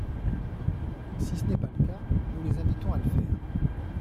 Si ce n’est pas le cas, nous les invitons à le faire.